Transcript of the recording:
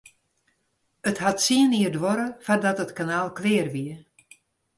It hat tsien jier duorre foardat it kanaal klear wie.